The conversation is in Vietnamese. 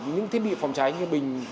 những thiết bị phòng cháy như bình